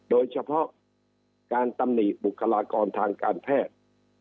โดยเฉพาะการตำหนิบุคลากรทางการแพทย์